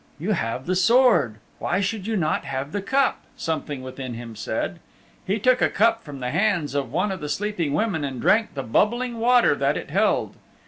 "You have the sword, why should you not have the cup?" something within him said. He took a cup from the hands of one of the sleeping women and drank the bubbling water that it held.